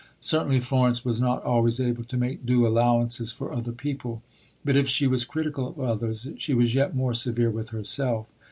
Certainly, Florence was not always able to make due allowances for other people. But if she was critical of others, she was yet more severe with herself.